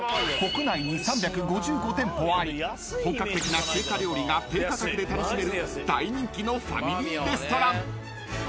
［本格的な中華料理が低価格で楽しめる大人気のファミリーレストラン］